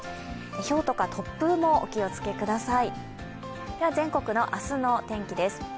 ひょうとか突風もお気をつけください。